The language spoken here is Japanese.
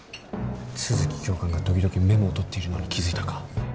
都築教官が時々メモを取っているのに気付いたか？